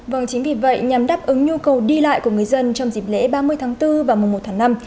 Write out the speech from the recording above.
vâng chính vì vậy nhằm đáp ứng nhu cầu đi lại của người dân trong dịp lễ ba mươi tháng bốn và mùa một tháng năm